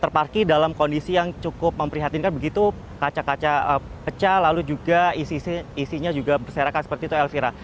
terdapat beberapa polisi yang cukup memprihatinkan begitu kaca kaca pecah lalu juga isinya berserakan seperti itu elvira